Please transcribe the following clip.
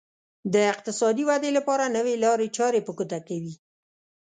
د اقتصادي ودې لپاره نوې لارې چارې په ګوته کوي.